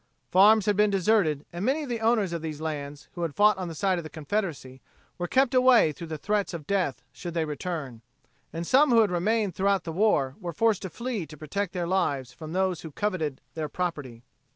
Farms had been deserted and many of the owners of these lands who had fought on the side of the Confederacy were kept away through the threats of death should they return, and some who had remained throughout the war were forced to flee to protect their lives from those who coveted their property.